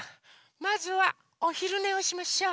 まずはおひるねをしましょう！